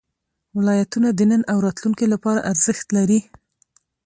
ولایتونه د نن او راتلونکي لپاره ارزښت لري.